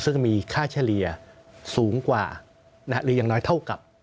ซึ่งมีค่าเฉลี่ยสูงกว่าหรือยังน้อยเท่ากับ